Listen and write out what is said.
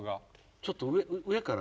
ちょっと上から。